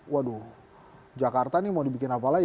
waduh jakarta nih mau dibikin apa lagi ya